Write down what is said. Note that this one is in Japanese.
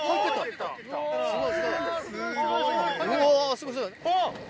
すごいすごい。